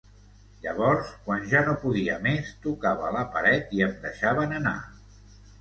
Llavors, quan ja no podia més, tocava la paret i em deixaven anar.